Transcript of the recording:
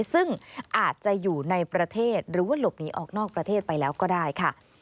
ซึ่งอาจจะอยู่ในประเทศหรือว่าหลบหนีออกนอกประเทศไปแล้วก็ได้ค่ะ